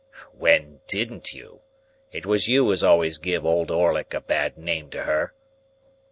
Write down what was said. "When didn't you? It was you as always give Old Orlick a bad name to her."